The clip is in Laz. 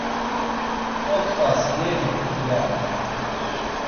Otfas iyeni mtilana!